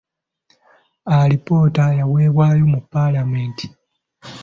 Alipoota yaweebwayo mu Paalamenti.